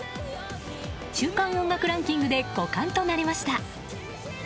週刊音楽ランキングで５冠となりました。